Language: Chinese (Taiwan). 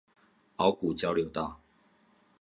鰲鼓交流道